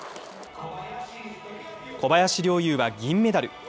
小林陵侑は銀メダル。